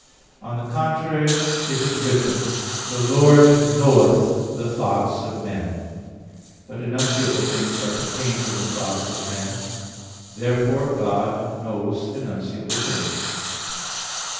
On the contrary, It is written: "The Lord knoweth the thoughts of men" (Ps. 93:11). But enunciable things are contained in the thoughts of men. Therefore God knows enunciable things.